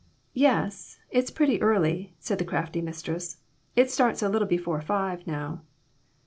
"Yes, it's pretty early," said the crafty mis tress; "it starts a little before five, now."